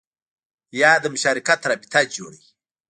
یا د مشارکت رابطه جوړوي